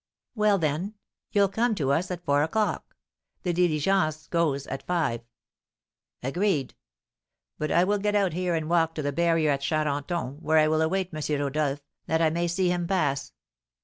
"Well, then, you'll come to us at four o'clock; the diligence goes at five." "Agreed. But I will get out here and walk to the barrier at Charenton, where I will await M. Rodolph, that I may see him pass."